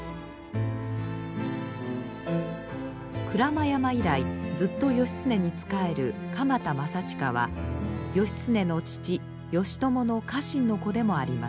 鞍馬山以来ずっと義経に仕える鎌田正近は義経の父義朝の家臣の子でもあります。